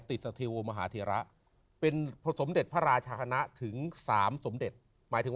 สถิวงมหาเทระเป็นผสมเด็จพระราชคณะถึง๓สมเด็จหมายถึง